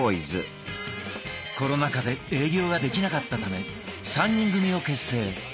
コロナ禍で営業ができなかったため３人組を結成。